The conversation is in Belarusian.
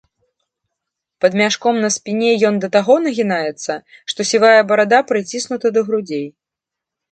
Пад мяшком на спіне ён да таго нагінаецца, што сівая барада прыціснута да грудзей.